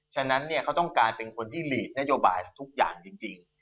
ฉะนั้นเขาต้องการเป็นคนที่หลีกนโยบายทุกอย่างจริง